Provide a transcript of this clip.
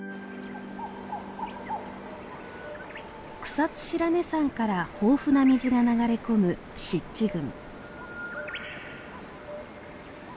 草津白根山から豊富な水が流れ込む湿地群。